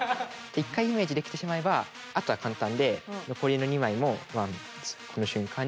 一回イメージできてしまえばあとは簡単で残りの２枚もワンツーこの瞬間に。